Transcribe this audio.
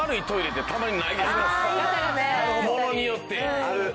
ものによって。